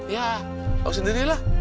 ya tau sendirilah